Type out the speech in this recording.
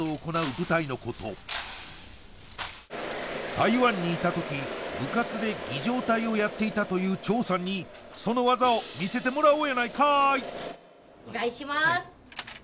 台湾にいた時部活で儀仗隊をやっていたという張さんにその技を見せてもらおうやないかいお願いします